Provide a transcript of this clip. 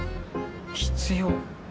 必要。